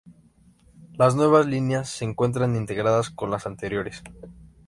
Las nuevas líneas se encuentran integradas con las anteriores.